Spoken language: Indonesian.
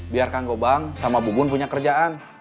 biar kang gobang sama abu bun punya kerjaan